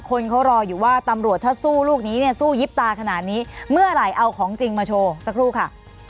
คนเขารออยู่ว่าตำรวจถ้าสู้ลูกนี้เนี่ยสู้ยิบตาขนาดนี้เมื่อไหร่เอาของจริงมาโชว์สักครู่ค่ะ